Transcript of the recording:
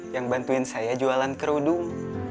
yang bantuin saya jualan kerudung